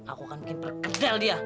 aku akan bikin perkedel dia